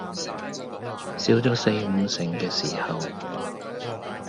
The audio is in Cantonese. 少咗四五成嘅時候